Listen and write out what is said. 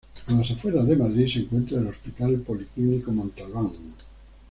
A las afueras de Madrid se encuentra el Hospital Policlínico Montalbán.